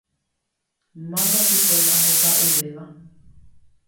Mávapiko la oka'uvéva.